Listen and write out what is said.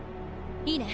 いいね？